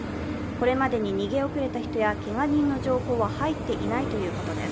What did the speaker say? これまでに逃げ遅れた人やけが人の情報は入っていないということです。